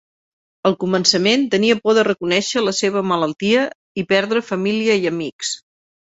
Al començament tenia por de reconèixer la seva malaltia i perdre família i amics.